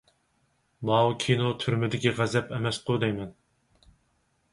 ماۋۇ كىنو «تۈرمىدىكى غەزەپ» ئەمەسقۇ دەيمەن.